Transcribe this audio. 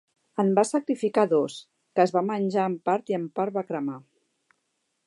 En va sacrificar dos, que es va menjar en part i en part va cremar.